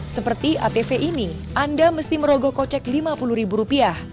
seperti atv ini anda mesti merogoh kocek rp lima puluh